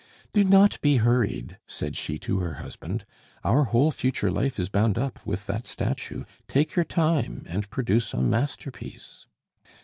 "Do not be hurried," said she to her husband, "our whole future life is bound up with that statue. Take your time and produce a masterpiece."